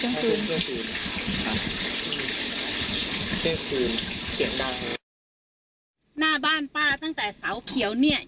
เชียงคืนเสียงด้านนี้หน้าบ้านป้าตั้งแต่เสาเขียวเนี่ย